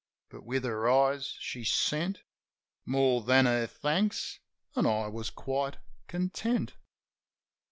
But with her eyes she sent More than her thanks; an' I was quite content.